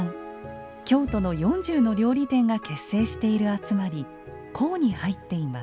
京都の４０の料理店が結成している集まり講に入っています。